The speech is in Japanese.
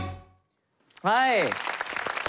はい。